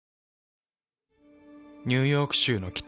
ニューヨーク州の北。